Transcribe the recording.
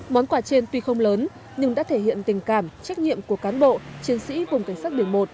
món quà trên tuy không lớn nhưng đã thể hiện tình cảm trách nhiệm của cán bộ chiến sĩ vùng cảnh sát biển một